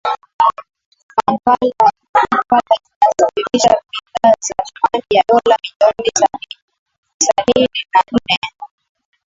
Kampala inasafirisha bidhaa za thamani ya dola milioni sanini na nne